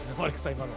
今の。